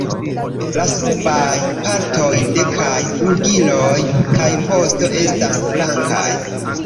La subaj partoj de kaj flugiloj kaj vosto estas blankaj.